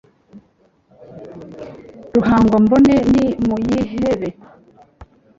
ruhangwambone ni muyihebe